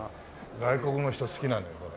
外国の人好きなのよこれ。